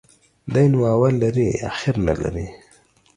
دى نو اول لري ، اخير نلري.